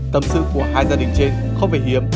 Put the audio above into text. tâm sự của hai gia đình trên không về hiếm